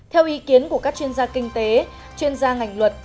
theo ý kiến của các chuyên gia kinh tế chuyên gia ngành luật